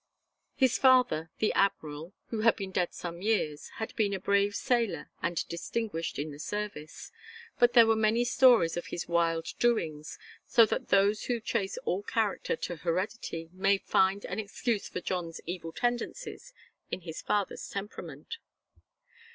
His father, the admiral, who had been dead some years, had been a brave sailor and distinguished in the service, but there were many stories of his wild doings, so that those who trace all character to heredity may find an excuse for John's evil tendencies in his father's temperament.